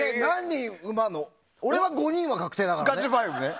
俺は５人は確定だからね。